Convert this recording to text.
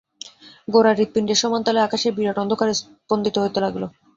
গোরার হৃৎপিণ্ডের সমান তালে আকাশের বিরাট অন্ধকার স্পন্দিত হইতে লাগিল।